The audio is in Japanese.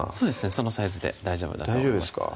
そのサイズで大丈夫だと大丈夫ですか？